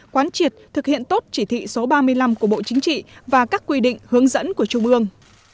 quán triệt thực hiện tốt chỉ thị số ba mươi năm của bộ chính trị và các quy định hướng dẫn của trung ương